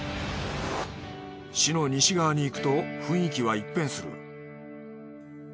市の西側に行くと雰囲気は一変する。